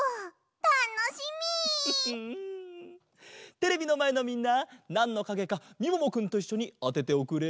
テレビのまえのみんななんのかげかみももくんといっしょにあてておくれ。